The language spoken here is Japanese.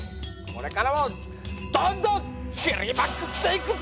これからもどんどん切りまくっていくぜ。